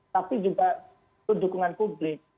tapi juga dukungan publik